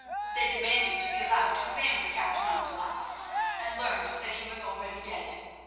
They demanded to be allowed to examine the captain Abdullah, and learned that he was already dead.